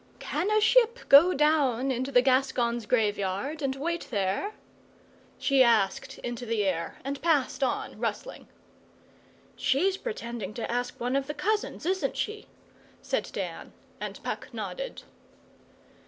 'Can a ship go down into the Gascons' Graveyard and wait there?' she asked into the air, and passed on rustling. 'She's pretending to ask one of the cousins, isn't she?' said Dan, and Puck nodded.